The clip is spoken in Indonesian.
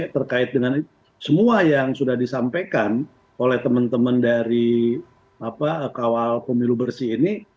terkait dengan semua yang sudah disampaikan oleh teman teman dari kawal pemilu bersih ini